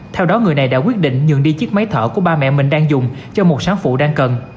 theo đó người này đã quyết định nhường đi chiếc máy thở của ba mẹ mình đang dùng cho một sáng phụ đang cần